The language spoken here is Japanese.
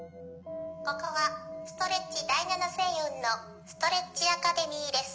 「ここはストレッチだい７せいうんのストレッチアカデミーです」。